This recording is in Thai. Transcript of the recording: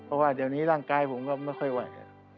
เพราะว่าเดี๋ยวนี้ร่างกายผมก็ไม่ค่อยไหว